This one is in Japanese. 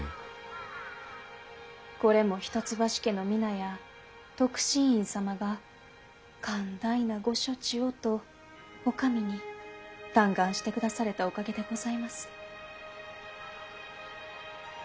これも一橋家の皆や徳信院様が寛大なご処置をとお上に嘆願してくだされたおかげでございます。